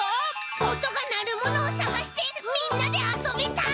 おとがなるものをさがしてみんなであそびたい！